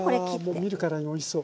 もう見るからにおいしそう！